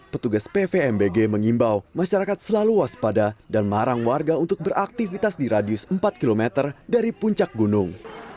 petugas pvmbg mengimbau masyarakat selalu waspada dan marang warga untuk beraktivitas di radius empat km dari puncak gunung